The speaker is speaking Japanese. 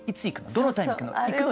どのタイミングでいくの？